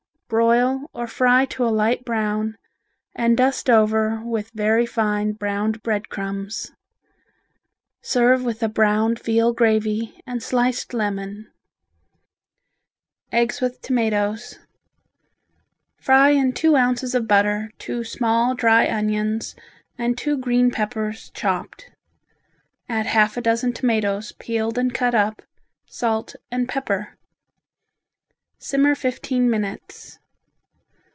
Broil or fry to a light brown and dust over with very fine browned bread crumbs. Serve with a browned veal gravy and sliced lemon. Eggs with Tomatoes Fry in two ounces of butter two small dry onions and two green peppers, chopped. Add half a dozen tomatoes peeled and cut up, salt and pepper. Simmer fifteen minutes.